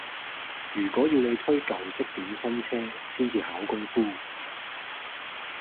如果要你推舊式點心車先至考功夫